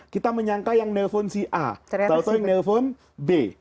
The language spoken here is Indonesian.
kita menyangka yang menelpon si a atau yang menelpon b